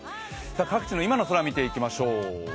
各地の今の空を見ていきましょう。